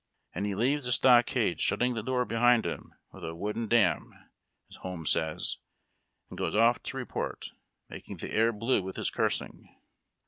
And he leaves the stockade shutting the door behind him "with a wooden damn," as Holmes says, and goes off to report, making the air blue with his cursing.